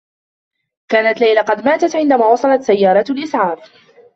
كانت ليلى قد ماتت عندما وصلت سيّارة الإسعاف.